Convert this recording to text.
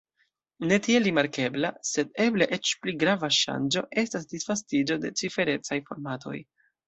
Ne tiel rimarkebla, sed eble eĉ pli grava ŝanĝo estas disvastigo de ciferecaj formatoj.